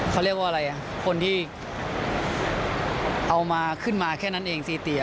เขาเรียกว่าอะไรคนที่เอามาขึ้นมาแค่นั้นเองซีเตีย